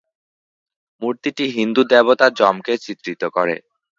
মূর্তিটি হিন্দু দেবতা যমকে চিত্রিত করে।